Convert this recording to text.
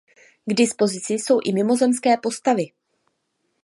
K dispozici jsou i mimozemské postavy.